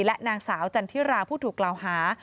และนางสาวจันทิราผู้ถูกกล่าวหา